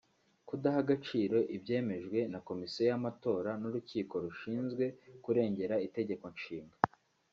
kudaha agaciro ibyemejwe na Komisiyo y’amatora n’Urukiko rushinzwe kurengera Itegeko Nshinga